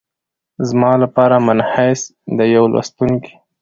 زما لپاره منحیث د یوه لوستونکي